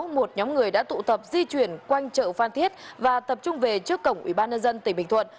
một nhóm người đã tụ tập di chuyển quanh chợ phan thiết và tập trung về trước cổng ubnd tỉnh bình thuận